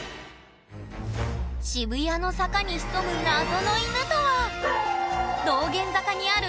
渋谷の坂に潜む謎の犬とは道玄坂にあるトリック